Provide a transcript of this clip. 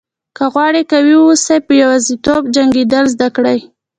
که غواړئ قوي واوسئ په یوازیتوب جنګېدل زده کړئ.